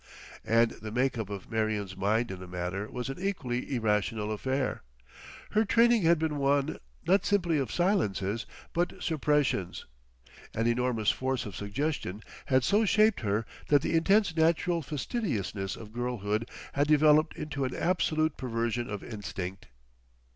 And the make up of Marion's mind in the matter was an equally irrational affair. Her training had been one, not simply of silences, but suppressions. An enormous force of suggestion had so shaped her that the intense natural fastidiousness of girlhood had developed into an absolute perversion of instinct.